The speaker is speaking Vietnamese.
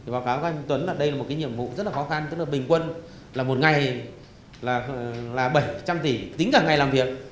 báo cáo các anh tuấn là đây là một cái nhiệm vụ rất là khó khăn tức là bình quân là một ngày là bảy trăm linh tỷ tính cả ngày làm việc